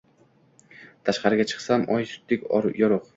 Tashqariga chiqsam, oy sutdek yorug‘